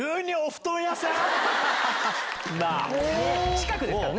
近くですからね。